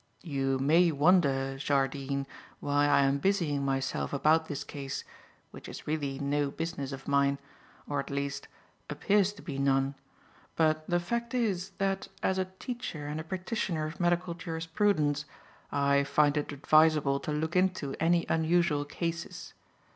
"You may wonder, Jardine, why I am busying myself about this case, which is really no business of mine, or, at least, appears to be none; but the fact is, that as a teacher and a practitioner of Medical Jurisprudence, I find it advisable to look into any unusual cases.